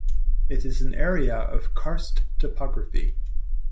It is an area of karst topography.